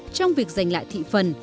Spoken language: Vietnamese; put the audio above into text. trong việc giành lại thị phần